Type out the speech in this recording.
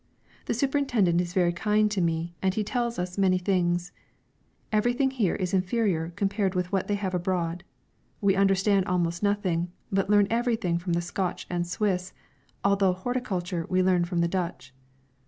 The superintendent is very kind to me, and he tells us many things. Everything here is very inferior compared with what they have abroad; we understand almost nothing, but learn everything from the Scotch and Swiss, although horticulture we learn from the Dutch.